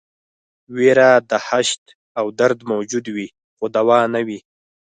ویره، دهشت او درد موجود وي خو دوا نه وي.